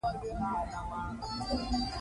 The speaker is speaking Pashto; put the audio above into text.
زه چې په هند کې ګورنرجنرال وم خبره داسې نه وه.